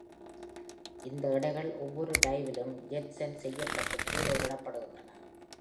இந்த எடைகள் ஒவ்வொரு டைவிலும் ஜெட்ஸன் செய்யப்பட்டு கீழே விடப்படுகின்றன.